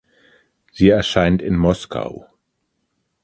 Sie erscheint in Moskau.